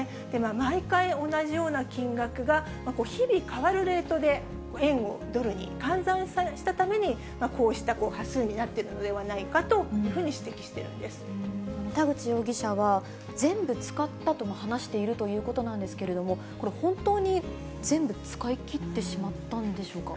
毎回、同じような金額が日々、変わるレートで円をドルに換算したために、こうした端数になっているのではないかというふうに指摘している田口容疑者は、全部使ったとも話しているということなんですけれども、これ、本当に全部使い切ってしまったんでしょうか。